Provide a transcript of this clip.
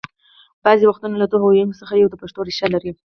بعضې وختونه له دغو ويونو څخه یو د پښتو ریښه لري